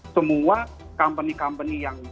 semua company company yang